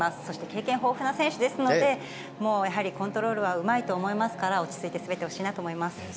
そして、経験豊富な選手ですので、もうやはりコントロールはうまいと思いますから、落ち着いて滑ってほしいなと思います。